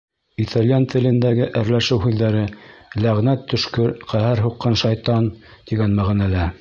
Итальян телендәге әрләшеү һүҙҙәре: «ләғнәт төшкөр», «ҡәһәр һуҡҡан шайтан» тигән мәғәнәлә.